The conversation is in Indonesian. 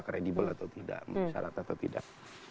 kredibel atau tidak syarat atau tidak